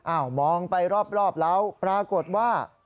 มองไปรอบเล้าปรากฏว่า